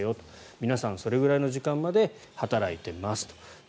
皆さん、そのくらいの時間まで働いていますよと。